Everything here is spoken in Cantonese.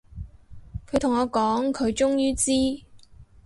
佢同我講，佢終於知